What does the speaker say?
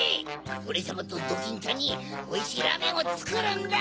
オレさまとドキンちゃんにおいしいラーメンをつくるんだ！